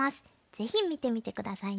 ぜひ見てみて下さいね。